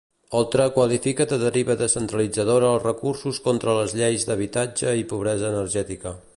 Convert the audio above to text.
Oltra qualifica de deriva descentralitzadora els recursos contra les lleis d'habitatge i pobresa energètica.